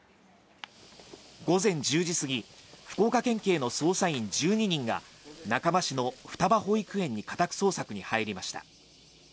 午前１０時すぎ、福岡県警の捜査員１２人が中間市の双葉保育園に家宅捜索に入りました。